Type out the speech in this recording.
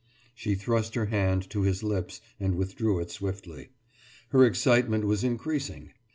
« She thrust her hand to his lips and withdrew it swiftly. Her excitement was increasing.